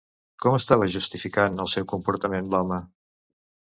Com estava justificant el seu comportament l'home?